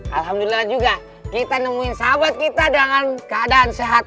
alhamdulillah juga kita nemuin sahabat kita dengan keadaan sehat